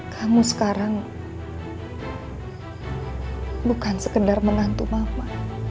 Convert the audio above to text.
kamu sekarang bukan sekedar menantu mama